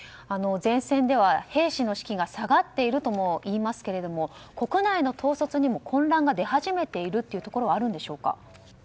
前線では兵士の士気が下がっているともいいますけれど国内の統率にも混乱が出始めていることはあるのでしょうか。